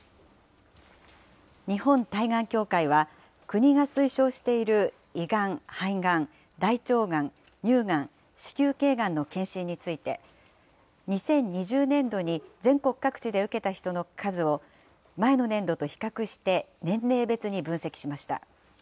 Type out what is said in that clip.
日本対がん協会は、国が推奨している胃がん、肺がん、大腸がん、乳がん、子宮けいがんの検診について、２０２０年度に全国各地で受けた人の数を、前の年度と比較して年齢別に分析しました。